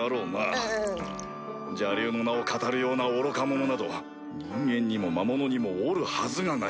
邪竜の名をかたるような愚か者など人間にも魔物にもおるはずがない。